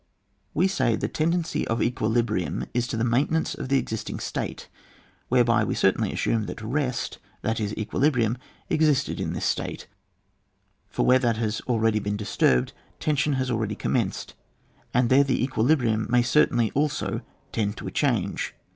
We say, the tendency of equilibrium 82 ON WAR. [book VI, ifl to the maintenaiice of the existing state, whereby we certainly assume that rest, that is equilibrium, existed in this state ; for where that has been already dis turbed, tension has already commenced, and there the equilibrium may certainly also tend to a change.